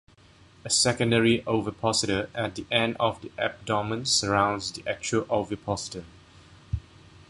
A secondary ovipositor at the end of the abdomen surrounds the actual ovipositor.